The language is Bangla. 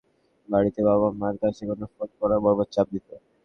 দালালেরা টাকার জন্য টেকনাফের বাড়িতে বাবা-মার কাছে ফোন করতে বারবার চাপ দিত।